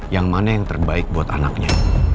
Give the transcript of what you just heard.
yang mana yang terbaik buat anaknya